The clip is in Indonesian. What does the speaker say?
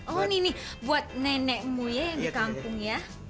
oh ini buat nenekmu ya yang di kampung ya